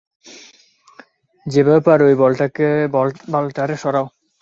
যেভাবে পারো ওই বাল টারে সরাও।